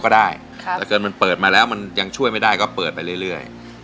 ได้ถ้าเกิดมันเปิดมาแล้วมันยังช่วยไม่ได้ก็เปิดไปเรื่อย